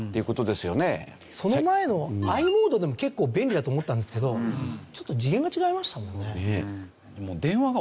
その前のｉモードでも結構便利だと思ったんですけどちょっと次元が違いましたもんね。